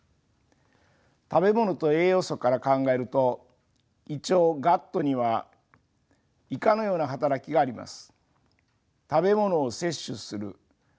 食べ物と栄養素から考えると胃腸ガットには以下のような働きがあります。